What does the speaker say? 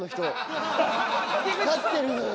飼ってるのよ